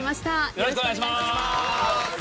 よろしくお願いします。